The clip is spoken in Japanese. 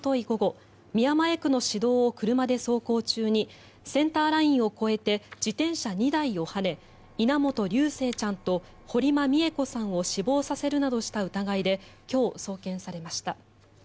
午後宮前区の市道を車で走行中にセンターラインを越えて自転車２台をはね稲本琉正ちゃんと堀間美恵子さんを死亡させるなどした疑いで今日、送検されました。